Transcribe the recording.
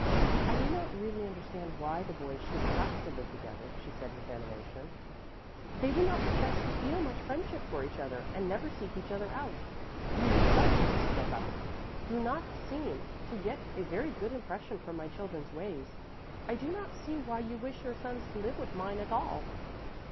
"I do not really understand why the boys should have to live together," she said with animation; "they do not profess to feel much friendship for each other, and never seek each other out. You yourself, Mrs. Knippel, do not seem to get a very good impression from my children's ways. I do not see why you wish your sons to live with mine at all."